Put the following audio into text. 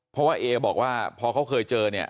เพราะว่าเอบอกว่าพอเขาเคยเจอเนี่ย